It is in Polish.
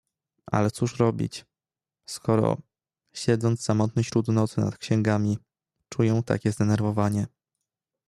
"Ale cóż robić, skoro, siedząc samotny śród nocy nad księgami, czuję takie zdenerwowanie."